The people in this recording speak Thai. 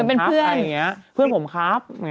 เหมือนเป็นเพื่อนเพื่อนผมครับ